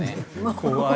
怖い。